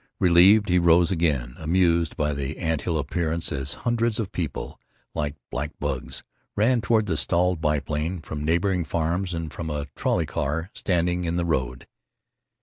Relieved, he rose again, amused by the ant hill appearance as hundreds of people, like black bugs, ran toward the stalled biplane, from neighboring farms and from a trolley car standing in the road.